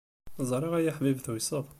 Ẓriɣ ay aḥbib tuyseḍ.